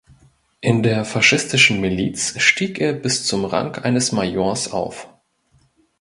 In der faschistischen Miliz stieg er bis zum Rang eines Majors auf.